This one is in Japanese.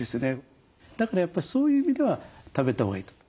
だからやっぱりそういう意味では食べたほうがいいと。